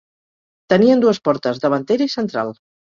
Tenien dues portes, davantera i central.